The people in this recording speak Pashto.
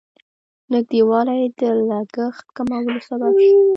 نږدېوالی د لګښت کمولو سبب شو.